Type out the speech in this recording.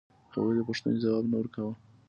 هغوی د پوښتنې ځواب نه ورکاوه.